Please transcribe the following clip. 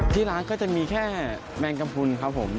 ที่ร้านก็จะมีแค่แมงกระพุนครับผม